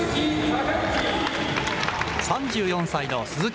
３４歳の鈴木。